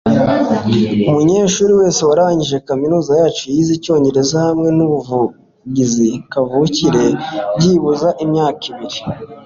umunyeshuri wese warangije kaminuza yacu yize icyongereza hamwe numuvugizi kavukire byibuze imyaka ibiri